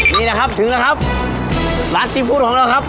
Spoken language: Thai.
นี่นะครับถึงนะครับร้านซีฟูดของเราครับ